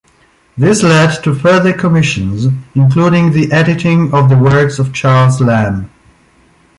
This led to further commissions, including the editing of the works of Charles Lamb.